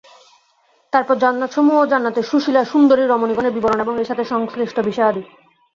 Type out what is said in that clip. তারপর জান্নাতসমূহ ও জান্নাতের সুশীলা সুন্দরী রমণীগণের বিবরণ এবং এর সাথে সংশ্লিষ্ট বিষয়াদি।